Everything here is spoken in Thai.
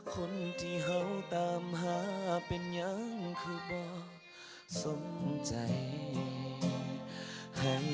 คนที่เขาตามหาเป็นอย่างคือบ่อสมใจ